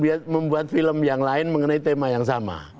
dia membuat film yang lain mengenai tema yang sama